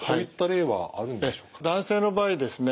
男性の場合ですね